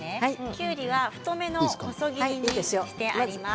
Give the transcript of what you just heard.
きゅうりは太めの細切りにしてあります。